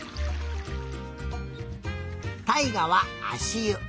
たいがはあしゆ。